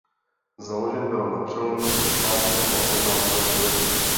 Založen byl na přelomu šestnáctého a sedmnáctého století.